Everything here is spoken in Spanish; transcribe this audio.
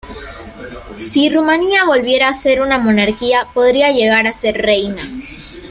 Si Rumania volviera a ser una monarquía podría llegar a ser reina.